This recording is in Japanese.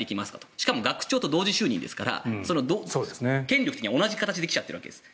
しかも学長と同時就任ですから権力的には同じ形で来ちゃってるわけです。